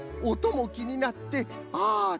おともきになってああ